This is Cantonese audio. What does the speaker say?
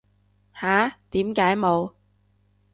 吓？點解冇